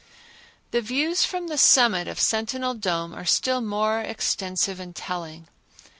The views from the summit of Sentinel Dome are still more extensive and telling.